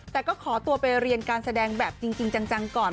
แต่ก็ขอตัวไปเรียนการแสดงแบบจริงจังก่อน